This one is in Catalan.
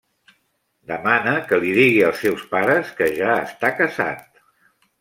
Demana que li digui als seus pares que ja està casat.